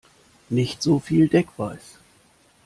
Nicht so viel Deckweiß!